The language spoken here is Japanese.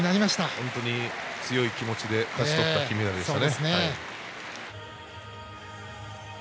本当に強い気持ちで勝ちとった金メダルでしたね。